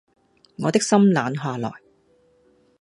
我的心冷下來